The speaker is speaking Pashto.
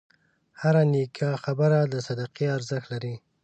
هره نیکه خبره د صدقې ارزښت لري.